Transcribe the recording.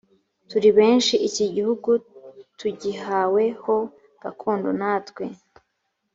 turi benshi iki gihugu tugihawe ho gakondo natwe